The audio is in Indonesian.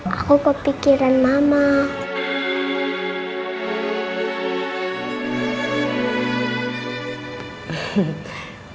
aku kepikiran mama